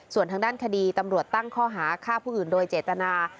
ส่วนทางด้านคดีตำรวจตั้งข้อหาฆ่าผู้อื่นโดยเจตนา